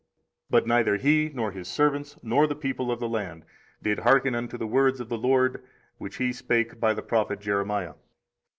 24:037:002 But neither he, nor his servants, nor the people of the land, did hearken unto the words of the LORD, which he spake by the prophet Jeremiah.